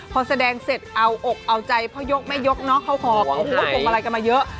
พอแสดงเสร็จเอาอกเอาใจพ่อยกแม่ยกเนาะเขาหอกพวงอะไรกันมาเยอะ